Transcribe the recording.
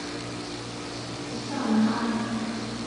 吉藏雅尔。